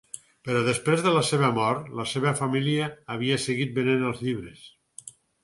Però, després de la seva mort, la seva família havia seguit venent els llibres.